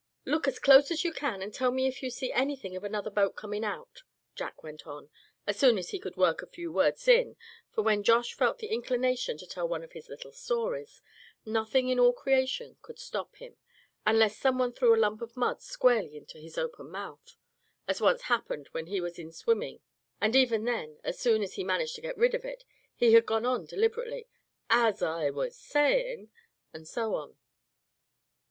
"Look as close as you can, and tell me if you see anything of another boat coming out," Jack went on, as soon as he could work a few words in; for when Josh felt the inclination to tell one of his little stories, nothing in all creation could stop him, unless some one threw a lump of mud squarely into his open mouth, as once happened when he was in swimming; and even then, as soon as he had managed to get rid of it, he had gone on deliberately, "As I was a sayin' " and so on.